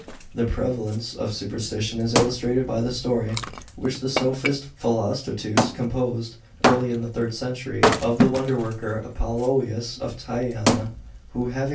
The prevalence of superstition is illustrated by the story which the sophist Philostratus composed (early in the third century ) of the wonder worker Apollouius of Tyana, who, having 27 B.